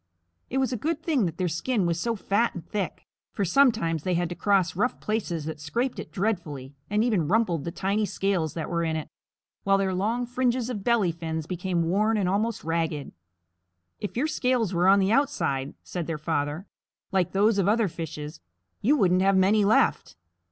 It was a good thing that their skin was so fat and thick, for sometimes they had to cross rough places that scraped it dreadfully and even rumpled the tiny scales that were in it, while their long fringes of belly fins became worn and almost ragged. "If your scales were on the outside," said their father, "like those of other fishes, you wouldn't have many left."